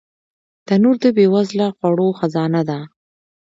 تنور د بې وزله خوړو خزانه ده